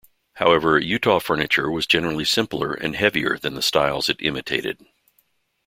However, Utah furniture was generally simpler and heavier than the styles it imitated.